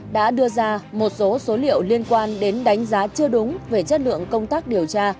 đã đưa ra một số số liệu liên quan đến đánh giá chưa đúng về chất lượng công tác điều tra